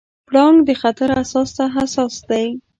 پړانګ د خطر احساس ته حساس دی.